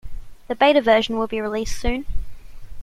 The Beta version will be released soon.